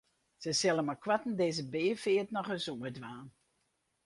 Sy sille meikoarten dizze beafeart nochris oerdwaan.